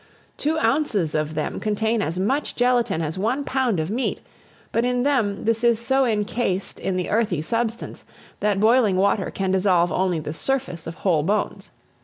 Two ounces of them contain as much gelatine as one pound of meat; but in them, this is so incased in the earthy substance, that boiling water can dissolve only the surface of whole bones.